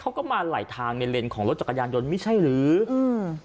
เขาก็มาไหลทางในเลนส์ของรถจักรยานยนต์ไม่ใช่หรืออืม